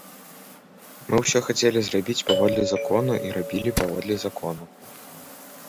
Мы ўсё хацелі зрабіць паводле закону і рабілі паводле закону.